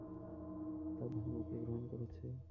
তার ধর্মকে গ্রহণ করেছে।